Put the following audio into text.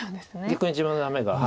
逆に自分のダメが。